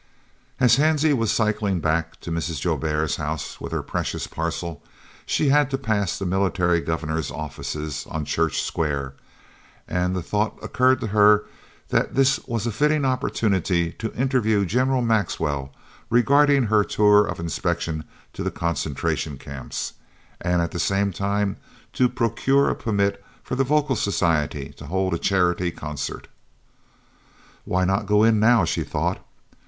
As Hansie was cycling back to Mrs. Joubert's house with her precious parcel, she had to pass the Military Governor's offices on Church Square, and the thought occurred to her that this was a fitting opportunity to interview General Maxwell regarding her tour of inspection to the Concentration Camps, and at the same time to procure a permit for the Vocal Society to hold a charity concert. "Why not go in now?" she thought.